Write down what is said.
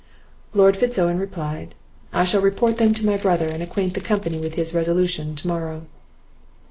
Lord Fitz Owen replied, "I shall report them to my brother, and acquaint the company with his resolution to morrow."